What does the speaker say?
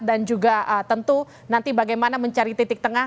dan juga tentu nanti bagaimana mencari titik tengah